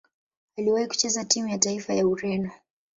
Aliwahi kucheza timu ya taifa ya Ureno.